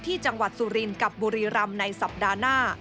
จังหวัดสุรินกับบุรีรำในสัปดาห์หน้า